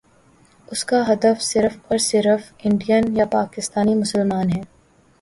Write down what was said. اس کا ہدف صرف اور صرف انڈین یا پاکستانی مسلمان ہیں۔